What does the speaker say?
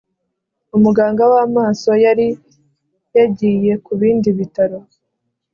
umuganga wamaso yari yagiye kubindi bitaro